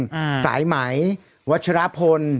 อ่าสายไหมวัชรพล